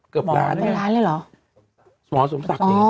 เกือบล้านนะครับหมอสมตักหมอวินิลัยล่ะหรอ